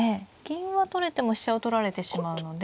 銀は取れても飛車を取られてしまうので。